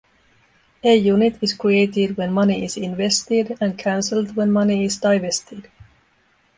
A unit is created when money is invested and cancelled when money is divested.